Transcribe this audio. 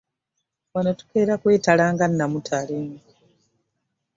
Wano tukeera kwetala nga namutale.